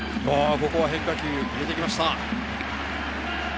ここは変化球を入れてきました。